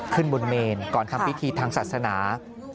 ขึ้นบนเมนก่อนทำพิธีทางศาสนา